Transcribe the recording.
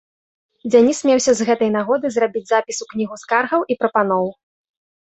Дзяніс меўся з гэтай нагоды зрабіць запіс у кнігу скаргаў і прапаноў.